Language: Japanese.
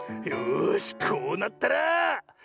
よしこうなったら。